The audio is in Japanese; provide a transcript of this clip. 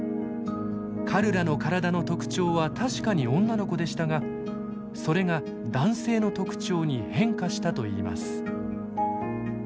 カルラの体の特徴は確かに女の子でしたがそれが男性の特徴に変化したといいます。